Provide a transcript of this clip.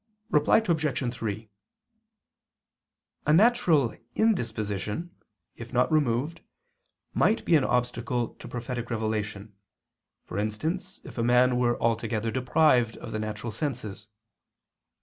Reply Obj. 3: A natural indisposition, if not removed, might be an obstacle to prophetic revelation, for instance if a man were altogether deprived of the natural senses.